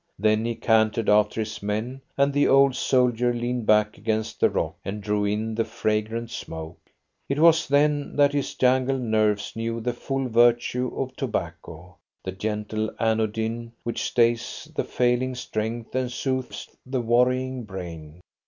Then he cantered after his men, and the old soldier leaned back against the rock and drew in the fragrant smoke. It was then that his jangled nerves knew the full virtue of tobacco, the gentle anodyne which stays the failing strength and soothes the worrying brain.